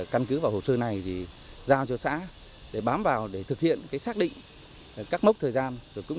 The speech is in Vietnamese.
căn cứ vào hồ sơ này thì giao cho xã để bám vào để thực hiện xác định các mốc thời gian